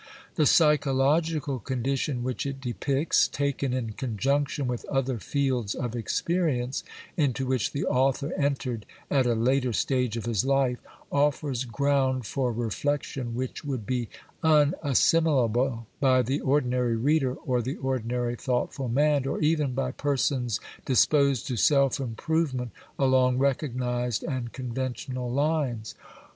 The psychological condition which it depicts, taken in conjunction with other fields of experience into which the author entered at a later stage of his life, offers ground for reflection which would be unassimilable by the ordinary reader or the ordinary thoughtful man, or even by persons disposed to self improvement along recognised and conventional lines.